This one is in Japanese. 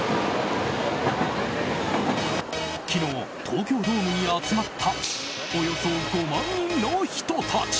昨日、東京ドームに集まったおよそ５万人の人たち。